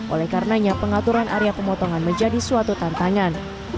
oleh karenanya pengaturan area pemotongan menjadi suatu tantangan